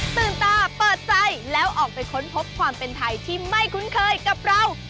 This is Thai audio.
ตื่นตาเปิดใจแล้วออกไปค้นพบความเป็นไทยที่ไม่คุ้นเคยกับเรา